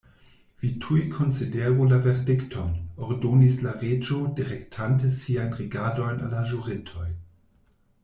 "Vi tuj konsideru la verdikton," ordonis la Reĝo, direktante siajn rigardojn al la ĵurintoj.